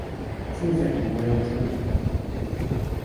ついさっきこれ作ってたところ